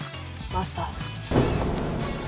マサ。